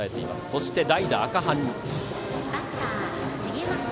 そして代打、赤埴。